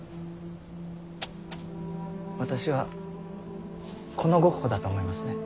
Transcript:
私はこのゴッホだと思いますね。